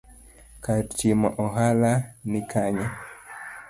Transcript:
kar timo ohalano ni kanye?